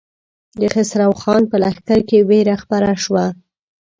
د خسرو خان په لښکر کې وېره خپره شوه.